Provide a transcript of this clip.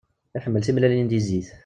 Iḥemmel timellalin di zzit.